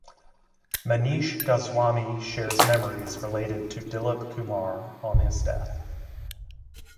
Manish Goswami shares memories related to Dilip Kumar on his death.